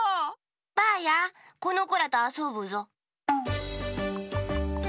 ばあやこのこらとあそぶぞ。